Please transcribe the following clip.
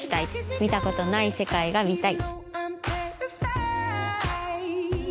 見たことない世界が見たい。